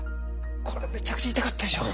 これめちゃくちゃ痛かったでしょう。